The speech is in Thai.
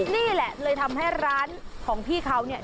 นี่แหละเลยทำให้ร้านของพี่เขาเนี่ย